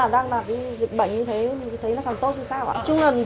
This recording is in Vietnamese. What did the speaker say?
chúng ta đang làm cái dịch bệnh như thế thấy nó càng tốt như sao ạ